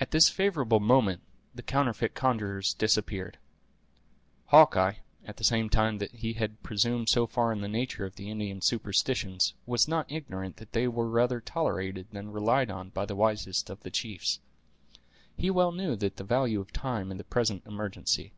At this favorable moment the counterfeit conjurers disappeared. Hawkeye, at the same time that he had presumed so far on the nature of the Indian superstitions, was not ignorant that they were rather tolerated than relied on by the wisest of the chiefs. He well knew the value of time in the present emergency.